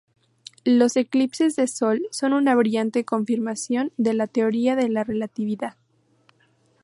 Los eclipses del Sol son una brillante confirmación de la Teoría de la Relatividad.